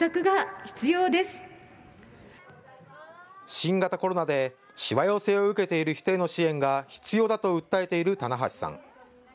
新型コロナで、しわよせを受けている人への支援が必要だと訴えている店橋さん。